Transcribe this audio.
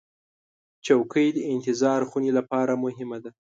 چوکۍ د انتظار خونې لپاره مهمه ده.